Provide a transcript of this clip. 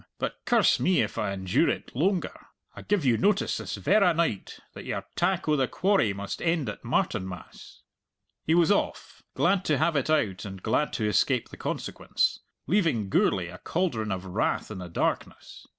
But curse me if I endure it loanger. I give you notice this verra night that your tack o' the quarry must end at Martinmas." He was off, glad to have it out and glad to escape the consequence, leaving Gourlay a cauldron of wrath in the darkness.